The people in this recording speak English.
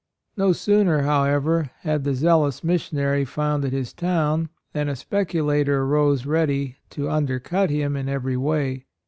No sooner, however, had the zealous missionary founded his town than a speculator arose ready to "undercut" him in every way.